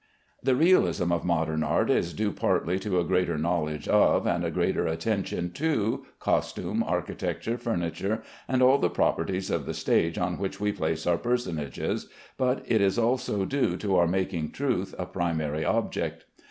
The realism of modern art is due partly to a greater knowledge of, and a greater attention to, costume, architecture, furniture, and all the properties of the stage on which we place our personages, but it is also due to our making truth a primary object.